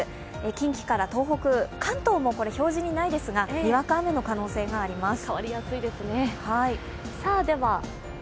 近畿から東北関東も表示にないですがにわか雨の可能性があります。